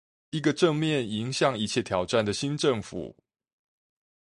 一個正面迎向一切挑戰的新政府